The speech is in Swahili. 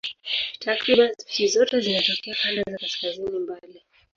Takriban spishi zote zinatokea kanda za kaskazini mbali.